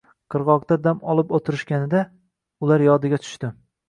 qirg‘oqda dam olib o‘tirishganida — ular yodiga tushdi.